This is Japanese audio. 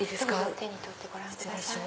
手に取ってご覧ください。